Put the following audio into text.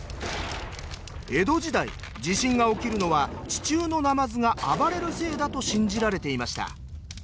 江戸時代地震が起きるのは地中のなまずが暴れるせいだと信じられていました。